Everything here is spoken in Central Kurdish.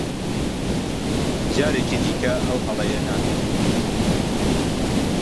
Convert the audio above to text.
جارێکی دیکە ئەو هەڵەیە ناکەم.